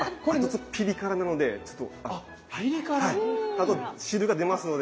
あと汁が出ますので。